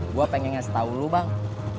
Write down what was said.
gue pengen ngasih tau lo bang